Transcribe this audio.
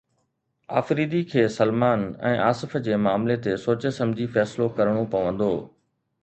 آفريدي کي سلمان ۽ آصف جي معاملي تي سوچي سمجهي فيصلو ڪرڻو پوندو